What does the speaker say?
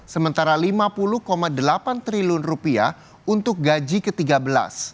sementara rp lima puluh delapan triliun untuk gaji ke tiga belas